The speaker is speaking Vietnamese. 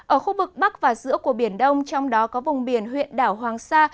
ở khu vực bắc và giữa của biển đông trong đó có vùng biển huyện đảo hoàng sa